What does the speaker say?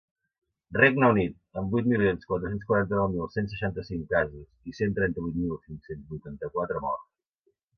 Regne Unit, amb vuit milions quatre-cents quaranta-nou mil cent seixanta-cinc casos i cent trenta-vuit mil cinc-cents vuitanta-quatre morts.